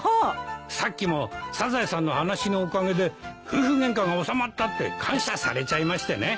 さっきもサザエさんの話のおかげで夫婦ゲンカが収まったって感謝されちゃいましてね